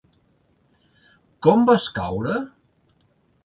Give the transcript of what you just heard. Com vas caure?